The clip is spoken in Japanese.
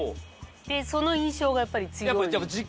その印象がやっぱり強い。